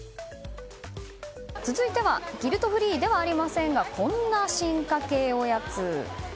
続いてはギルトフリーではありませんがこんな進化系おやつ。